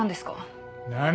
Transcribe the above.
何？